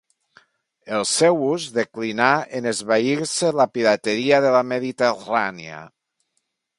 El seu ús declinà en esvair-se la pirateria de la Mediterrània.